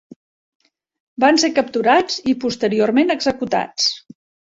Van ser capturats i posteriorment executats.